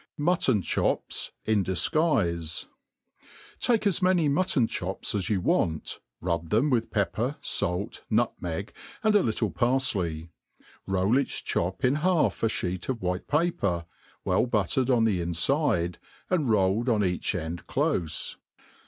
^ Mutton Chops in Difguifi. TAKE as many mutton chops as you want, rub ^nem with pepper, fait, nutmeg, and a little parfley ; roll each chop in half a (heet of white paper, well buttered on the infide, and . rolled on each end clofe.